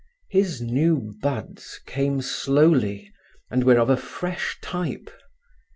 His new buds came slowly, and were of a fresh type.